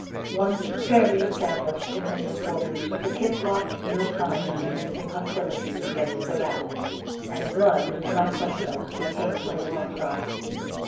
Once fairly established in her new quarters, the kit lost no time in commencing hostilities against the rats, and blood, not butter milk, became her war cry.